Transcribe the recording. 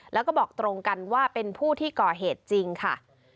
แล้วก็บอกตรงกันว่าเป็นผู้ที่ก่อเหตุจริงค่ะ